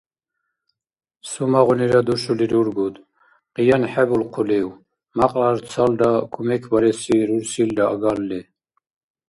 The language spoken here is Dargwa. Сумахъунира душули рургуд? КъиянхӀебулхъулив, мякьлар цалра кумекбареси рурсилра агарли?